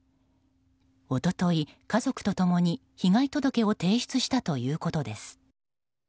一昨日、家族と共に被害届を提出したということです。